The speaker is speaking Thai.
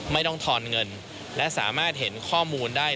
ต้องทอนเงินและสามารถเห็นข้อมูลได้